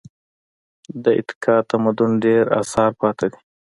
د اینکا تمدن ډېر اثار پاتې دي.